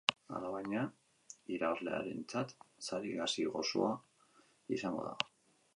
Alabaina, irabazleentzat sari gazi-gozoa izango da.